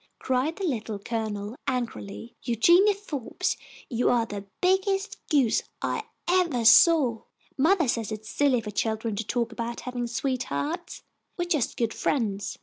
cried the Little Colonel, angrily. "Eugenia Forbes, you are the biggest goose I evah saw! Mothah says it's silly for children to talk about havin' sweethea'ts. We are just good friends."